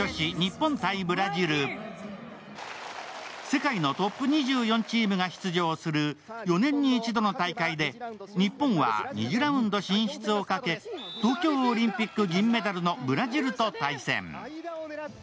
世界のトップ２４チームが出場する、４年に１度の大会で日本は２次ラウンド進出をかけ東京オリンピック銀メダルのブラジルと対戦。